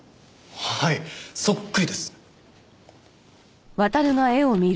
はいそっくりです。